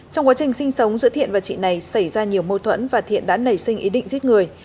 trong quá trình sinh sống giữa thiện và chị này xảy ra nhiều mâu thuẫn và thiện đã nảy sinh ý định giết người